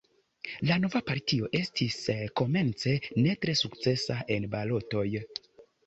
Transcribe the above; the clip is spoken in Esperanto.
La nova partio estis komence ne tre sukcesa en balotoj.